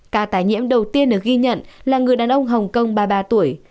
ca tái nhiễm đầu tiên được ghi nhận là người đàn ông hồng kông ba mươi ba tuổi